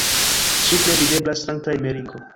Supre videblas Sankta Emeriko.